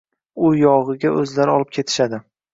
U yog`iga o`zlari olib ketishadi